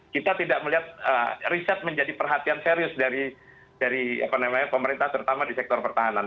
kita tidak melihat riset menjadi perhatian serius dari pemerintah terutama di sektor pertahanan